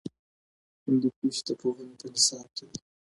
هندوکش د پوهنې په نصاب کې دی.